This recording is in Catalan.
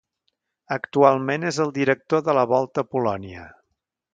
Actualment és el director de la Volta a Polònia.